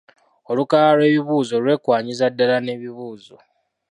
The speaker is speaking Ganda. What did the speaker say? Olukalala lw’ebibuuzo lwekwanyiza ddala n’ebibuuzo.